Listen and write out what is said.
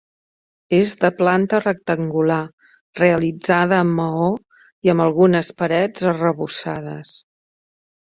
És de planta rectangular, realitzada en maó i amb algunes parets arrebossades.